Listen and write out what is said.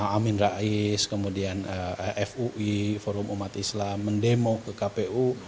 amin rais kemudian fui forum umat islam mendemo ke kpu